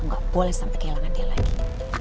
nggak boleh sampai kehilangan dia lagi